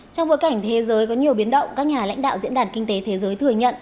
trong bối cảnh thế giới có nhiều biến động các nhà lãnh đạo diễn đàn kinh tế thế giới thừa nhận